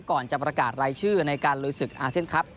ก่อนจะประกาศรายชื่อในการลุยศึกอาเซียนครับ